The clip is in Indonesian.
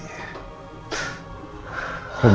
aku juga gak tau mak apa yang terjadi